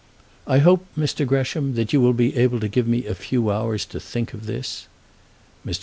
"I hope, Mr. Gresham, that you will be able to give me a few hours to think of this." Mr.